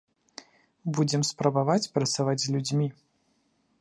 Будзем спрабаваць працаваць з людзьмі.